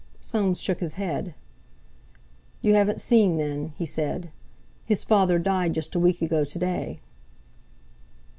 Soames shook his head. "You haven't seen, then?" he said. "His father died just a week ago to day."